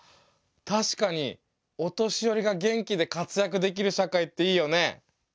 確かにお年寄りが元気で活躍できる社会っていいよね。